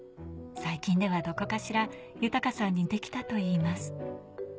最近ではどこかしら豊さんに似て来たといいます。